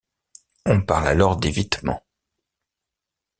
On parle alors d'évitement.